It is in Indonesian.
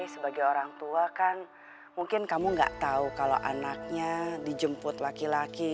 sebagai orang tua kan mungkin kamu nggak tahu kalau anaknya dijemput laki laki